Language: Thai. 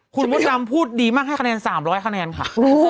คุณมดดำพูดดีมากให้คะแนน๓๐๐คะแนนค่ะ